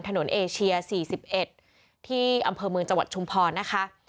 เอเชีย๔๑ที่อำเภอเมืองจังหวัดชุมพรนะคะ